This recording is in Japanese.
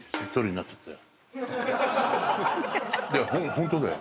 ホントだよ。